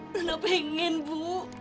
lana pengen bu